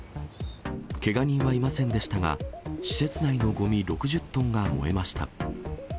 けが人はいませんでしたが、施設内のごみ６０トンが燃えました。